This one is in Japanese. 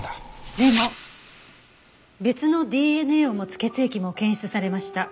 でも別のＤＮＡを持つ血液も検出されました。